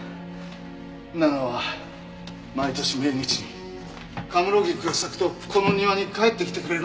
奈々は毎年命日に神室菊が咲くとこの庭に帰ってきてくれるんだ。